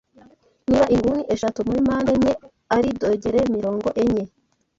Niba inguni eshatu muri mpande enye ari dogere mirongo enye